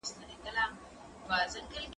هغه څوک چي سبزیجات وچوي روغ وي!.